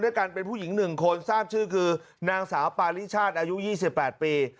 ด้วยกันเป็นผู้หญิงหนึ่งคนทราบชื่อคือนางสาวปาริชาติอายุยี่สิบแปดปี